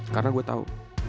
karena gue tahu